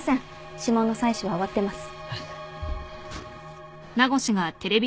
指紋の採取は終わってます。